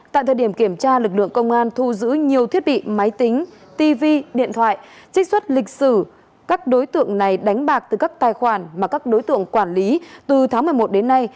tại thời điểm kiểm tra lực lượng công an thu giữ nhiều thiết bị máy tính tv điện thoại trích xuất lịch sử các đối tượng này đánh bạc từ các tài khoản mà các đối tượng quản lý từ tháng một mươi một đến nay